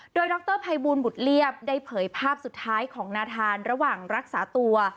โดยดรภัยบูลบุตรเรียบได้เผยภาพสุดท้ายของนาธานระหว่างรักษาตัว